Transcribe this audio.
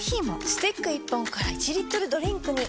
スティック１本から１リットルドリンクに！